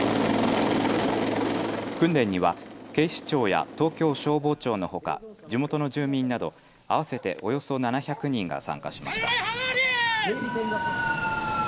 訓練には警視庁や東京消防庁のほか地元の住民など合わせておよそ７００人が参加しました。